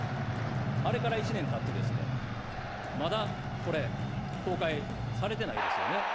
あれから１年たって、まだこれ、公開されてないですよね。